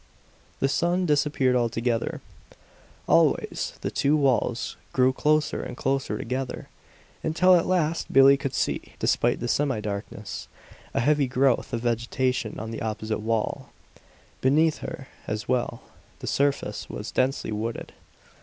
The sun disappeared altogether. Always the two walls grew closer and closer together, until at last Billie could see, despite the semidarkness, a heavy growth of vegetation on the opposite wall. Beneath her, as well, the surface was densely wooded.